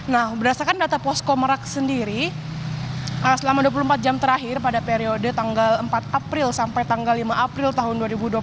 nah berdasarkan data posko merak sendiri selama dua puluh empat jam terakhir pada periode tanggal empat april sampai tanggal lima april tahun dua ribu dua puluh